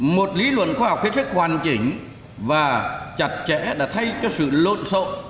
một lý luận khoa học khuyến sức hoàn chỉnh và chặt chẽ đã thay cho sự lộn xộn